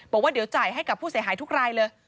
บอกว่าเดี๋ยวจ่ายให้กับผู้เสียหายทุกรายเลย